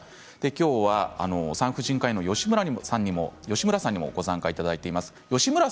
きょうは産婦人科医の吉村さんにもご参加いただいています。